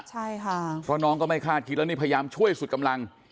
ใช่ค่ะเพราะน้องก็ไม่คาดคิดแล้วนี่พยายามช่วยสุดกำลัง